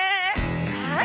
はい！